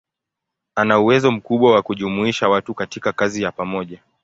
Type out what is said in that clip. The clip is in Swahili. Ana uwezo mkubwa wa kujumuisha watu katika kazi ya pamoja.